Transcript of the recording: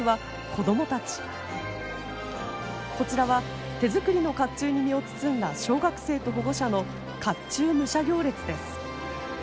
こちらは手作りの甲冑に身を包んだ小学生と保護者の甲冑武者行列です。